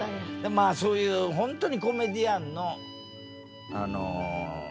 まあそういう本当にコメディアンのあの大先輩ですね。